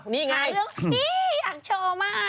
นี่ไง